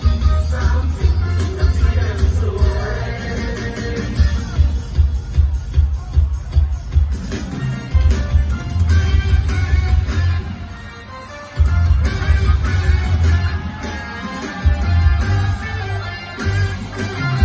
อยู่ใกล้แล้วหัวใจไม่ขายอยู่ใกล้แล้วหัวใจไม่ขาย